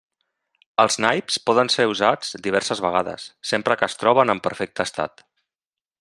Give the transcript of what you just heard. Els naips poden ser usats diverses vegades, sempre que es troben en perfecte estat.